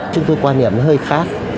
chúng tôi quan niệm nó hơi khác